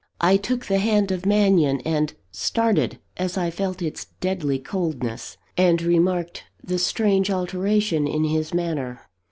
I took the hand of Mannion, and started as I felt its deadly coldness, and remarked the strange alteration in his manner.